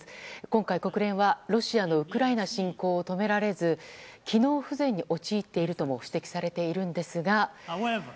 今回、国連はロシアのウクライナ侵攻を止められず機能不全に陥っているとも指摘されているんですが。